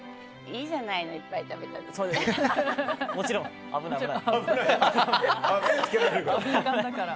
いいじゃないのいっぱい食べたから。